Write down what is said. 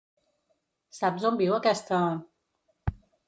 Saps on viu aquesta...?